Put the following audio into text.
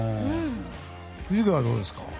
藤ヶ谷はどうですか？